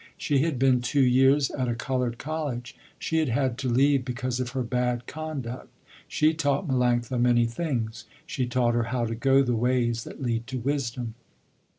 She had been two years at a colored college. She had had to leave because of her bad conduct. She taught Melanctha many things. She taught her how to go the ways that lead to wisdom.